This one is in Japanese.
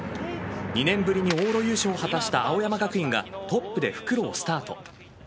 ２年ぶりに往路優勝を果たした青山学院がトップで復路をスタート。